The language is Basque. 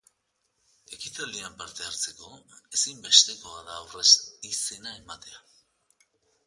Ekitaldian parte-hartzeko ezinbestekoa da aurrez izena ematea.